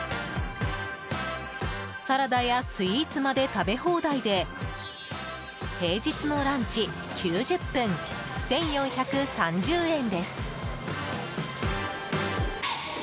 サラダやスイーツまで食べ放題で平日のランチ９０分１４３０円です。